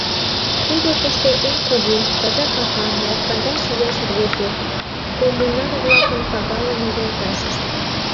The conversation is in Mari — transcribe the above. Тудо тыште эн кугу, таза капан латкандаш ияш рвезе, коммунар-влакын пагалыме йолташышт.